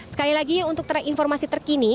sekali lagi untuk informasi terkini